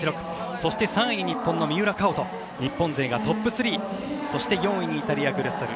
そして３位に日本の三浦佳生と日本勢がトップ３４位にイタリアのグラスル。